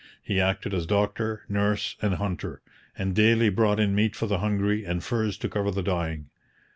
He acted as doctor, nurse, and hunter, and daily brought in meat for the hungry and furs to cover the dying.